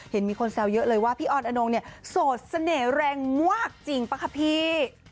เห็นมีคนแซวเยอะเลยว่าพี่ออนอนงเนี่ยโสดเสน่ห์แรงมากจริงป่ะคะพี่